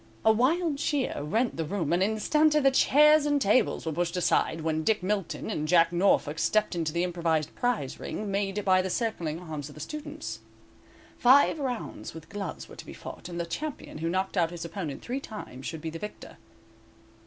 A wild cheer rent the room, and instanter the chairs and tables were pushed aside, when Dick Milton and Jack Norfolk stepped into the improvised prize ring, made by the circling arms of the students. Five rounds with gloves were to be fought, and the champion who knocked out his opponent three times, should be the victor.